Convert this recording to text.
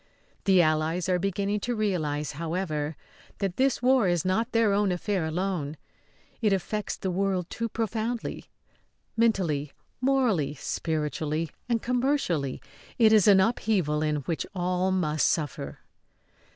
The Allies are beginning to realise, however, that this war is not their own affair alone. It affects the world too profoundly. Mentally, morally, spiritually and commercially, it is an upheaval in which all must suffer.